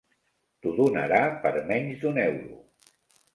T'ho donarà per menys d'un euro.